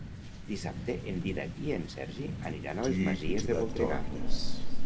Dissabte en Dídac i en Sergi aniran a les Masies de Voltregà.